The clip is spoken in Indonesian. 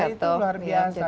nah itu luar biasa